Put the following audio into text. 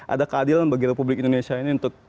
ada keadilan bagi republik indonesia ini untuk